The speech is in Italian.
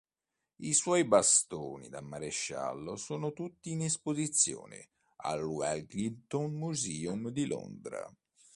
I suoi bastoni da maresciallo sono tutti in esposizione al Wellington Museum di Londra.